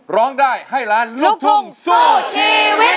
ร้องได้ให้ล้านลูกทุ่งสู้ชีวิต